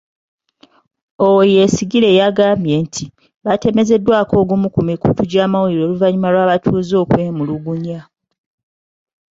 Owoyesigire yagambye nti, batemezeddwako ogumu ku mikutu gy’amawulire oluvannyuma lw’abatuuze okwemulugunya.